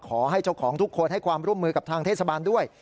ขอให้เจ้าของทุกคนให้ความร่วมมือกับทางเทศบาลด้วย